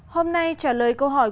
hôm nay trả lời câu hỏi